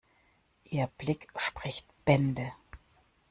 Ihr Blick spricht Bände.